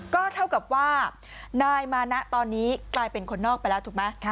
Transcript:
ก็เท่ากับว่านายมานะตอนนี้กลายเป็นคนนอกไปแล้วถูกไหม